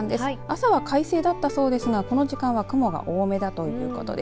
朝は快晴だったそうですがこの時間は雲が多めだということです。